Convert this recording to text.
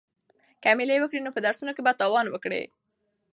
که مېله وکړې نو په درسونو کې به تاوان وکړې.